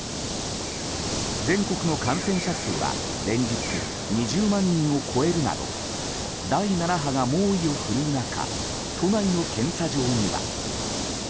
全国の感染者数は連日２０万人を超えるなど第７波が猛威を振るう中都内の検査場には。